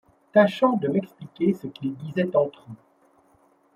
Tâchant de m'expliquer ce qu'ils disaient entre eux !